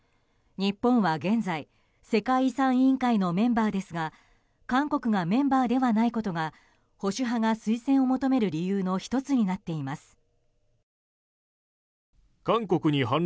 日本は現在、世界遺産委員会のメンバーですが韓国がメンバーではないことが保守派が推薦を求める理由の１つになっています。